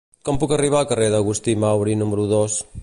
Com puc arribar al carrer d'Agustí Mauri número dos?